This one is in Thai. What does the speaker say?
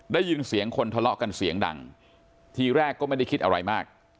ได้ยินเสียงคนทะเลาะกันเสียงดังทีแรกก็ไม่ได้คิดอะไรมาก